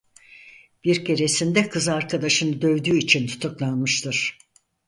Bir keresinde kız arkadaşını dövdüğü için tutuklanmıştır.